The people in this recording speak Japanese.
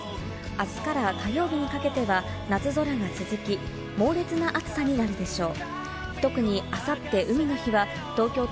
あすから火曜日にかけては夏空が続き、猛烈な暑さになるでしょう。